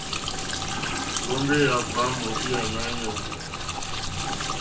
Ŋgombe yà gbàamù lyà Nàanyòŋgò.